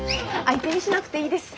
相手にしなくていいです。